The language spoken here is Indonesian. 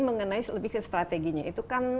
mengenai lebih ke strateginya itu kan